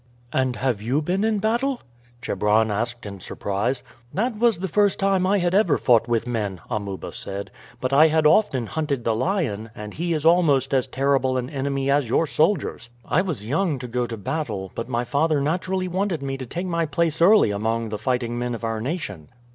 "And have you been in battle?" Chebron asked in surprise. "That was the first time I had ever fought with men," Amuba said; "but I had often hunted the lion, and he is almost as terrible an enemy as your soldiers. I was young to go to battle, but my father naturally wished me to take my place early among the fighting men of our nation."